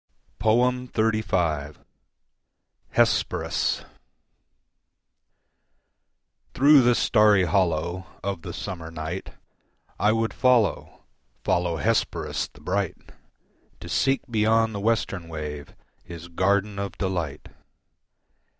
XXXV. Hesperus Through the starry hollow Of the summer night I would follow, follow Hesperus the bright, To seek beyond the western wave His garden of delight.